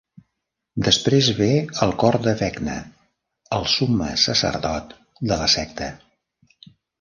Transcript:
Després ve el Cor de Vecna, el summe sacerdot de la secta.